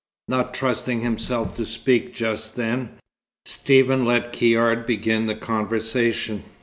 Not trusting himself to speak just then, Stephen let Caird begin the conversation.